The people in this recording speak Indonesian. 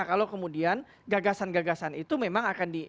kalau kemudian gagasan gagasan itu memang akan di